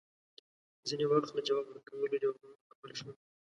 ځینې وخت له جواب ورکولو، جواب نه ورکول ښه وي